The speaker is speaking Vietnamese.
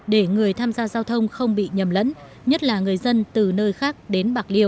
để người tham gia giao thông không bị nhầm lẫn nhất là người dân từ nơi khác đến bạc liêu